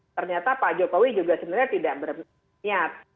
ternyata pak jokowi juga sebenarnya tidak berniat